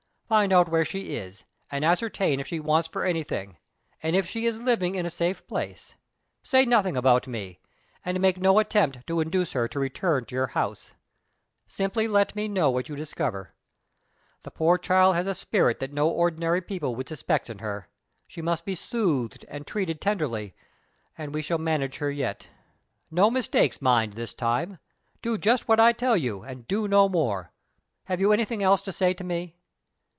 "Find out where she is, and ascertain if she wants for anything, and if she is living in a safe place. Say nothing about me, and make no attempt to induce her to return to your house. Simply let me know what you discover. The poor child has a spirit that no ordinary people would suspect in her. She must be soothed and treated tenderly, and we shall manage her yet. No mistakes, mind, this time! Do just what I tell you, and do no more. Have you anything else to say to me?"